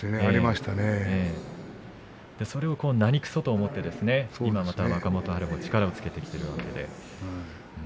それをまた何くそと思って今、若元春も力をつけてきています。